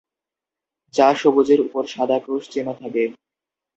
যা সবুজের উপর সাদা 'ক্রুশ' চিহ্ন থাকে।